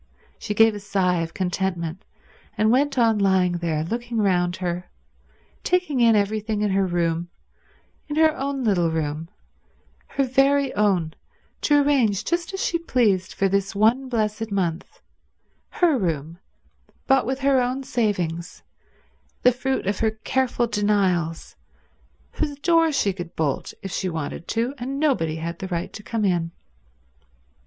She gave a sigh of contentment, and went on lying there looking round her, taking in everything in her room, her own little room, her very own to arrange just as she pleased for this one blessed month, her room bought with her own savings, the fruit of her careful denials, whose door she could bolt if she wanted to, and nobody had the right to come in.